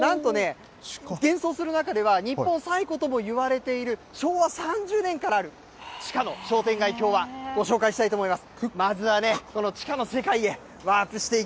なんとね、現存する中では日本最古とも言われている昭和３０年からある地下の商店街きょうはご紹介したいと思います。